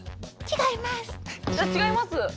違います？